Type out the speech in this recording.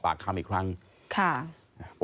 พ่อทำบ่อยไหมครับ